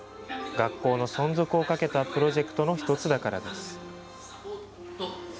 学校の存続をかけたプロジェクトの１つだからです。